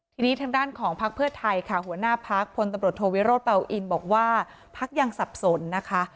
ทีนี้ทางด้านของพักเพื่อไทยค่ะหัวหน้าพักพลตำรวจโทวิโรธเป่าอินบอกว่าพักยังสับสนนะคะ